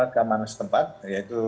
keamanan setempat yaitu